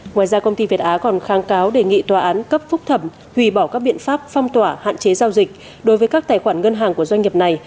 ngoài ra công ty việt á còn kháng cáo đề nghị tòa án cấp phúc thẩm hủy bỏ các biện pháp phong tỏa hạn chế giao dịch đối với các tài khoản ngân hàng của doanh nghiệp này